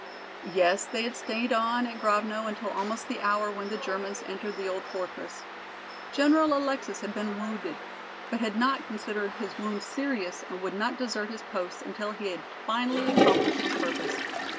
"Yes, they had stayed on at Grovno until almost the hour when the Germans entered the old fortress. General Alexis had been wounded, but had not considered his wound serious and would not desert his post until he had finally accomplished his purpose.